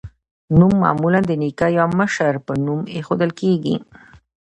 نوم معمولا د نیکه یا مشر په نوم ایښودل کیږي.